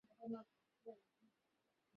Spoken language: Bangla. যে প্রকারেই হউক এ সুযোগ অবশ্য গ্রহণ করিবেন।